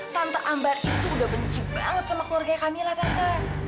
tante ambar itu sudah benci banget sama keluarganya kamila tante